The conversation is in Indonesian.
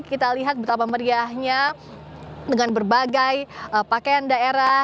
kita lihat betapa meriahnya dengan berbagai pakaian daerah